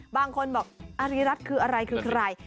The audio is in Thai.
บางคนบอกอาริรัติคืออะไรคือใคร